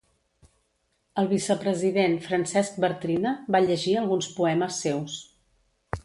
El vicepresident, Francesc Bartrina, va llegir alguns poemes seus.